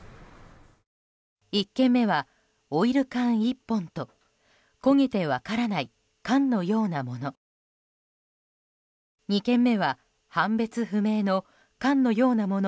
１件目はオイル缶１本と焦げて分からない缶のようなもの。